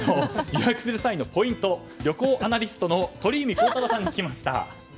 予約する際のポイントを旅行アナリストの鳥海高太朗さんに聞きました。